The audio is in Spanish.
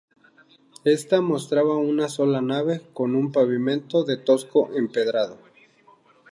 Ésta mostraba una sola nave con un pavimento de tosco empedrado.